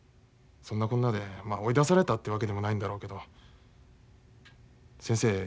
そんなこんなでまあ追い出されたってわけでもないんだろうけど先生